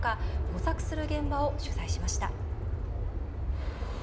模索する現場を取材しました。